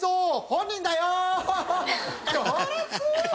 本人だよ！